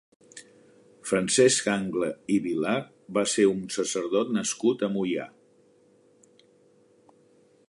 Francesc Angla i Vilar va ser un sacerdot nascut a Moià.